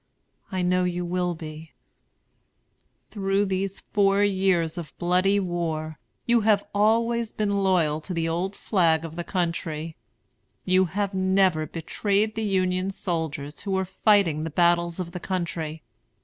I know you will be. [Cheers.] Through these four years of bloody war, you have always been loyal to the old flag of the country. You have never betrayed the Union soldiers who were fighting the battles of the country.